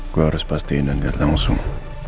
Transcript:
gue harus pastiin dan lihat langsung